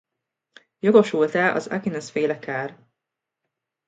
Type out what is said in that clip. Jogosult-e az Aquinas-féle ker.